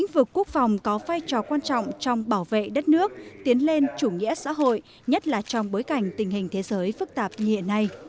vực quốc phòng có vai trò quan trọng trong bảo vệ đất nước tiến lên chủ nghĩa xã hội nhất là trong bối cảnh tình hình thế giới phức tạp như hiện nay